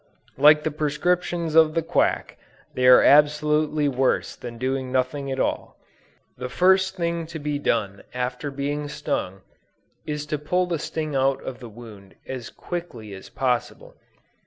Like the prescriptions of the quack, they are absolutely worse than doing nothing at all. The first thing to be done after being stung, is to pull the sting out of the wound as quickly as possible.